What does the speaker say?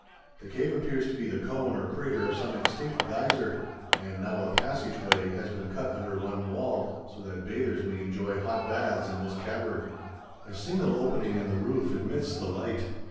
The Cave appears to be the cone or crater of some extinct geyser, and now a passage way has been cut under one wall, so that bathers may enjoy hot baths in this cavern. A single opening in the roof admits the light.